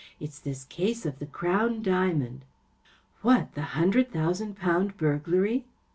It’s this case of the Crown diamond." What‚ÄĒthe hundred thousand * pount^ burglary